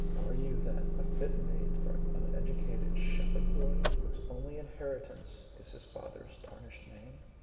Are you then a fit mate for an uneducated shepherd boy, whose only inheritance is his father's tarnished name?"